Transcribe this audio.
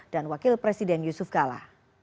dan wakil presiden yusuf kala